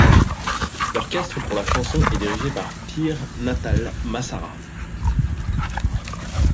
L'orchestre pour la chanson est dirigé par Pier Natale Massara.